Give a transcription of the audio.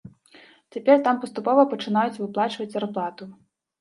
Цяпер там паступова пачынаюць выплачваць зарплату.